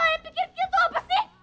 kalian pikir kita tuh apa sih